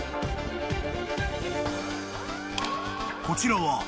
［こちらは］